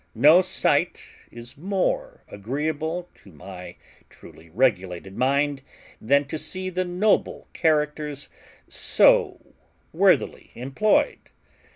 No sight is more agreeable to my truly regulated mind than to see the noble characters so worthily employed.